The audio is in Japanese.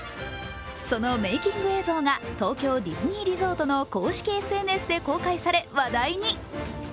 そのメイキング映像が東京ディズニーリゾートの公式ＳＮＳで公開され話題に。